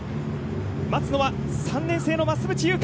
待つのは３年生の増渕祐香。